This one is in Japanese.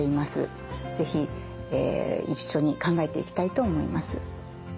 是非一緒に考えていきたいと思います。